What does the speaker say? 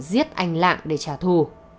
giết anh lạng để trả thù